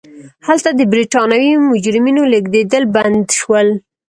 هلته د برېټانوي مجرمینو لېږدېدل بند شول.